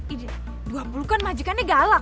ini dua puluh kan majikannya galak